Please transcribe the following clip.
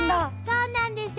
そうなんです。